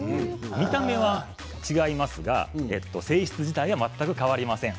見た目は違いますが性質自体は全く変わりません。